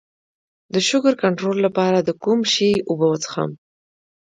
د شکر کنټرول لپاره د کوم شي اوبه وڅښم؟